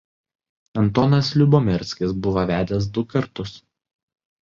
Antonas Liubomirskis buvo vedęs du kartus.